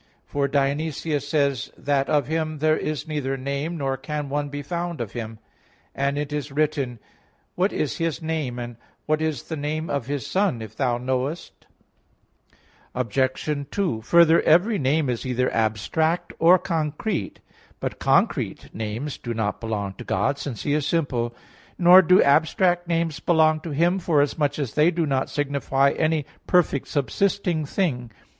For Dionysius says (Div. Nom. i) that, "Of Him there is neither name, nor can one be found of Him;" and it is written: "What is His name, and what is the name of His Son, if thou knowest?" (Prov. 30:4). Obj. 2: Further, every name is either abstract or concrete. But concrete names do not belong to God, since He is simple, nor do abstract names belong to Him, forasmuch as they do not signify any perfect subsisting thing.